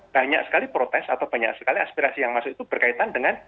banyak sekali protes atau banyak sekali aspirasi yang masuk itu berkaitan dengan